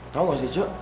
tau gak sih cok